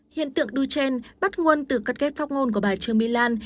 hiện tượng duchenne bắt nguồn từ cắt ghép phát ngôn của bà trương my lan